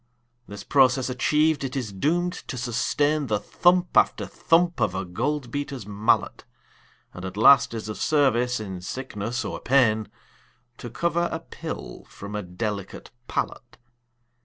This process achiev'd, it is doom'd to sustain The thump after thump of a gold beater's mallet, And at last is of service in sickness or pain To cover a pill from a delicate palate.